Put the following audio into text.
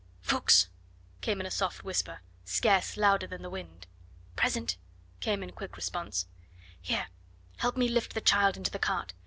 Ffoulkes!" came in a soft whisper, scarce louder than the wind. "Present!" came in quick response. "Here, help me to lift the child into the cart.